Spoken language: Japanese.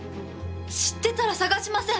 知ってたら捜しません！